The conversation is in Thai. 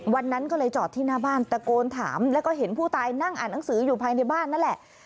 วันนั้นก็เลยจอดที่หน้าบ้านตะโกนถามแล้วก็เห็นผู้ตายนั่งอ่านหนังสืออยู่ภายในบ้านนั่นแหละ